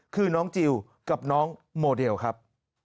คือน้องจิลกับน้องโมเดลครับ